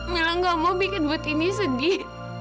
mila gak mau bikin butini sedih